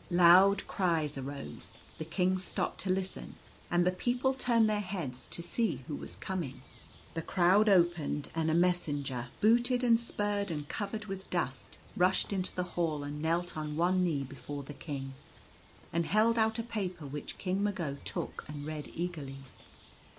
Loud cries arose, the King stopped to listen, and the people turned their heads to see who was coming. The crowd opened, and a messenger booted and spurred and covered with dust, rushed into the hall and knelt on one knee before the King, and held out a paper which King Mago took and read eagerly.